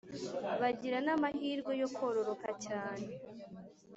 bagira n’amahirwe yo kororoka cyane